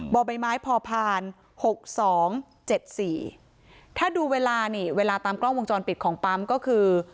บ่อใบไม้พอผ่านหกสองเจ็ดสี่ถ้าดูเวลานี่เวลาตามกล้องวงจรปิดของปั๊มก็คือ